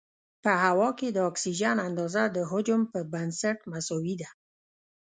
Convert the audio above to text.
په هوا کې د اکسیجن اندازه د حجم په بنسټ مساوي ده.